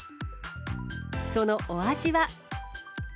そのお味は。